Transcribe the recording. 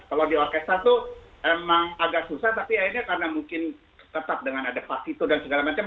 kalau di orkestra itu emang agak susah tapi akhirnya karena mungkin tetap dengan adepasi itu dan segala macam